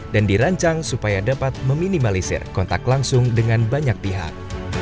dan dirancang supaya dapat meminimalisir kontak langsung dengan banyak pihak